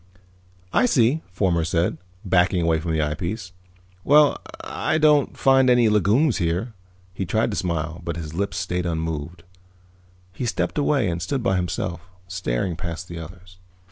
"I see," Fomar said, backing away from the eyepiece. "Well, I won't find any legumes there." He tried to smile, but his lips stayed unmoved. He stepped away and stood by himself, staring past the others.